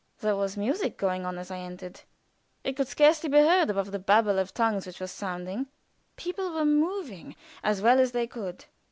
There was music going on as I entered. It could scarcely be heard above the Babel of tongues which was sounding. People were moving as well as they could.